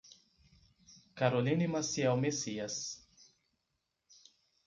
Caroline Maciel Messias